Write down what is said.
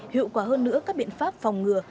hiệu quả hơn nữa các biện pháp phòng ngừa